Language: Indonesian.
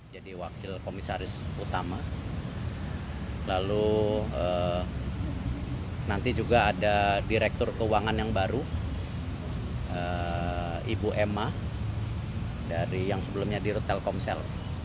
jadi wakil komisaris utama lalu nanti juga ada direktur keuangan yang baru ibu emma dari yang sebelumnya dirut telkomsel